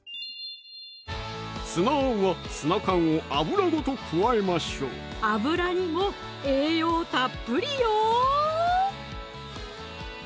ツナあんはツナ缶を油ごと加えましょう油にも栄養たっぷりよ！